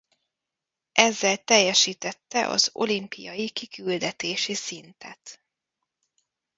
Ezzel teljesítette az olimpiai kiküldetési szintet.